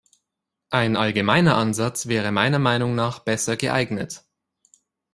Ein allgemeiner Ansatz wäre meiner Meinung nach besser geeignet.